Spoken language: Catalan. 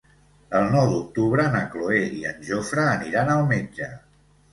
El nou d'octubre na Cloè i en Jofre aniran al metge.